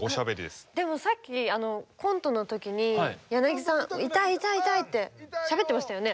でもさっきコントのときにヤナギさん「痛い痛い痛い」ってしゃべってましたよね。